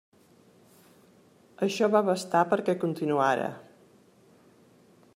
Això va bastar perquè continuara.